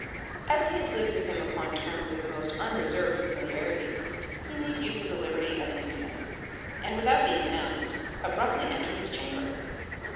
As he had lived with him upon terms of the most unreserved familiarity, he made use of the liberty of an intimate, and, without being announced, abruptly entered his chamber.